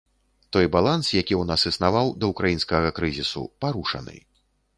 Той баланс, які ў нас існаваў да ўкраінскага крызісу, парушаны.